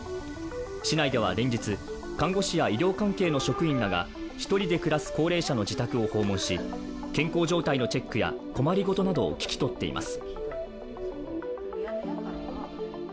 市内では連日、看護師や医療関係の職員らが１人で暮らす高齢者の自宅を訪問し健康状態のチェックや困り事などを聞き取っています。